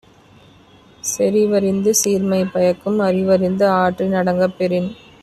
செறிவறிந்து சீர்மை பயக்கும் அறிவறிந்து ஆற்றின் அடங்கப் பெறின்